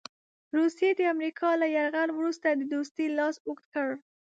روسیې د امریکا له یرغل وروسته د دوستۍ لاس اوږد کړ.